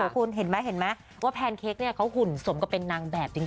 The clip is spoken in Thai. คุณเห็นไหมเห็นไหมว่าแพนเค้กเขาหุ่นสมกับเป็นนางแบบจริง